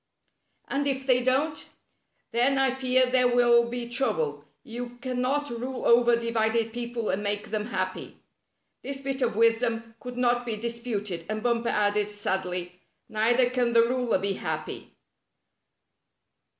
'^ "And if they don't?" " Then I fear there will he trouble. You can not rule over a divided people and make them happy." This bit of wisdom could not be disputed, and Bumper added sadly: "Neither can the ruler be happy."